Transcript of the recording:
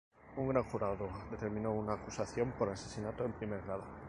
Un gran jurado determinó una acusación por asesinato en primer grado.